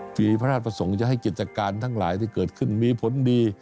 ผีพระราชประสงค์จะให้กิจการทั้งหลายที่เกิดขึ้นมีผลดี